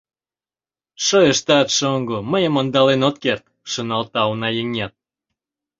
«Шойыштат, шоҥго, мыйым ондален от керт», — шоналта унаеҥет.